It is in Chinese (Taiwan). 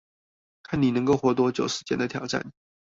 看你能夠活多久時間的挑戰